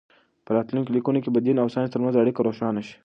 په راتلونکو لیکنو کې به د دین او ساینس ترمنځ اړیکه روښانه شي.